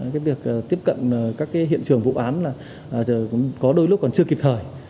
cái việc tiếp cận các hiện trường vụ án là có đôi lúc còn chưa kịp thời